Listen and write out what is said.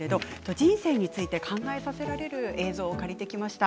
人生について考えさせられる映像を借りてきました。